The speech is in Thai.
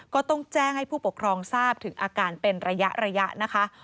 ก็ต้องแจ้งให้ผู้ปกครองทราบถึงอาการเป็นระยะนะคะ